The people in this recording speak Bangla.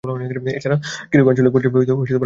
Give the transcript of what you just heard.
এছাড়া ক্যারিবীয় আঞ্চলিক পর্যায়েও পদক লাভ করেন।